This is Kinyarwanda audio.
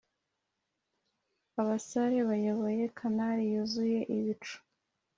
abasare bayoboye canari yuzuye ibicu,